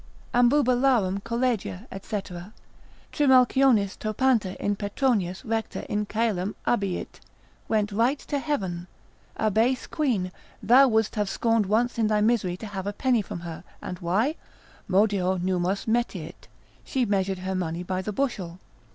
Ambubalarum collegia, &c. Trimalcionis topanta in Petronius recta in caelum abiit, went right to heaven: a, base quean, thou wouldst have scorned once in thy misery to have a penny from her; and why? modio nummos metiit, she measured her money by the bushel.